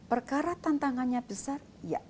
perkara tantangannya besar